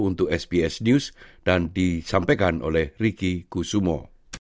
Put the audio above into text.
untuk sbs news dan disampaikan oleh riki kusumo